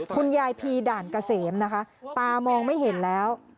คุณยายพีด่านเกษมนะคะตามองไม่เห็นแล้ว